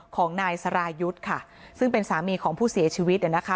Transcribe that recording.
ของนายสรายุทธ์ค่ะซึ่งเป็นสามีของผู้เสียชีวิตเนี่ยนะคะ